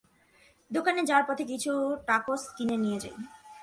দোকানে যাওয়ার পথে কিছু টাকোস কিনে নিয়ে যাই।